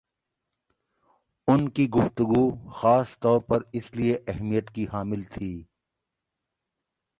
اُن کی گفتگو خاص طور پر اِس لیے اَہمیت کی حامل تھی